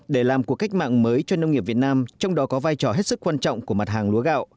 để làm cuộc cách mạng mới cho nông nghiệp việt nam trong đó có vai trò hết sức quan trọng của mặt hàng lúa gạo